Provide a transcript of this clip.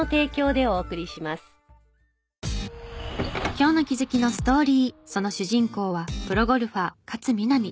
今日の気づきのストーリーその主人公はプロゴルファー勝みなみ。